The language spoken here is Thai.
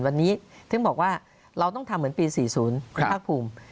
วันนี้ถึงบอกว่าเราต้องทำเหมือนปี๔๐คุณภาคภูมิ